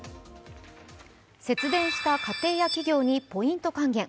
節電した家庭や企業にポイント還元。